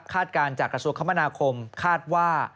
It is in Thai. การจากกระทรวงคมนาคมคาดว่า